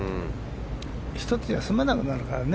１つじゃ済まなくなるからね。